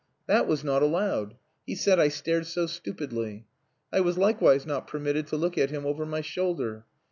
That was not allowed. He said I stared so stupidly. I was likewise not permitted to look at him over my shoulder.